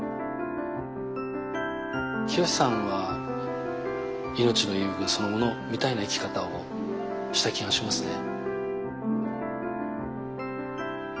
季良さんは命の言い分そのものみたいな生き方をした気がしますね。